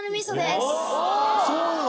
そうなの？